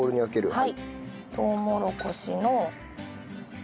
はい。